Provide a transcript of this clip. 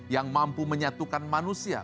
yang mampu menyatukan manusia